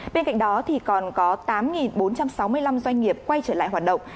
bên cạnh đó còn có tám bốn trăm sáu mươi năm doanh nghiệp quay trở lại hoạt động